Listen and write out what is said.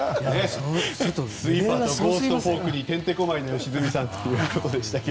スイーパーとゴーストフォークにてんてこ舞いの良純さんということですが。